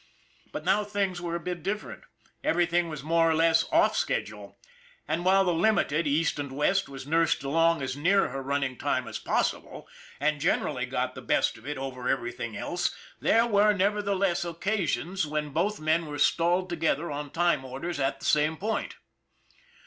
But now things were a bit different, everything was more or less off schedule. And while the Limited, East and West, was nursed along as near her running time as possible, and generally got the best of it over everything else, there were, never theless, occasions when both men were stalled together on time orders at the same point.